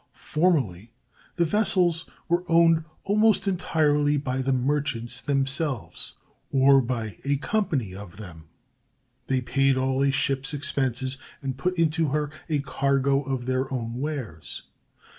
Formerly, the vessels were owned almost entirely by the merchants themselves, or by a company of them; they paid all a ship's expenses, and put into her a cargo of their own wares.